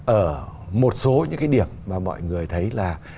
ở một số những cái điểm mà mọi người thấy là